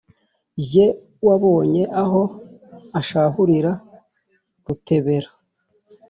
-"Jye wabonye aho ashahurira Rutebera,